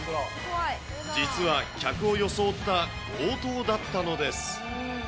実は客を装った強盗だったのです。